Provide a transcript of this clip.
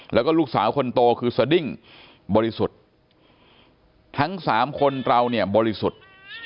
แล้วก็ลูกสาวคนโตคือสดิ้งบริสุทธิ์ทั้งสามคนเราเนี่ยบริสุทธิ์